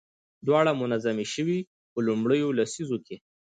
دواړه منظمې شوې. په لومړيو لسيزو کې